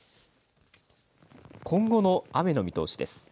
今後の雨の見通しです。